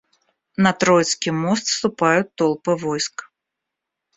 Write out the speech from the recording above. На Троицкий мост вступают толпы войск.